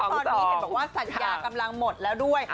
ตอนนี้เห็นบอกว่าสัญญากำลังหมดแล้วด้วย